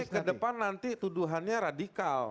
nanti ini ke depan nanti tuduhannya radikal